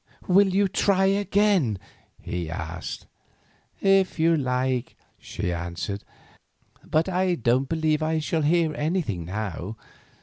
"Will you try again?" he asked. "If you like," she answered; "but I don't believe I shall hear anything now.